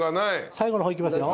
最後の方いきますよ。